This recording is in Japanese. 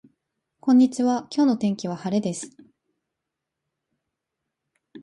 こんにちは今日の天気は晴れです